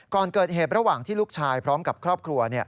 ก่อนเกิดเหตุระหว่างที่ลูกชายพร้อมกับครอบครัว